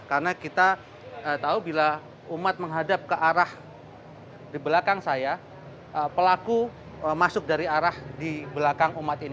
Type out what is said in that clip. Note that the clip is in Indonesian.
karena kita tahu bila umat menghadap ke arah di belakang saya pelaku masuk dari arah di belakang umat ini